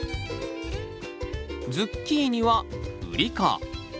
ズッキーニはウリ科。